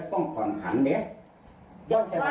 ต้องเสียสละต้องเสียสละ